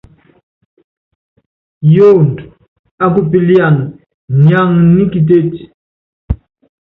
Yoondo ákupíliana niaŋa nḭ kitétí.